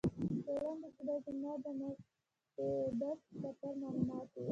په لنډو کې دا زما د مقدس سفر معلومات و.